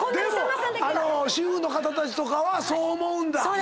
でも主婦の方たちとかはそう思うんだ。